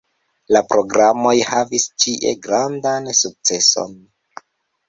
La programoj havis ĉie grandan sukceson.